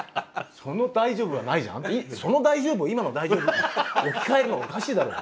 「その大丈夫を今の大丈夫に置き換えるのはおかしいだろ！」と思って。